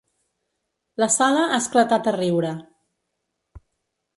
La sala ha esclatat a riure.